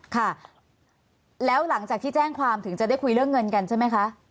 ค่ะแล้วหลังจากที่แจ้งความถึงจะได้คุยเรื่องเงินกันใช่ไหมคะ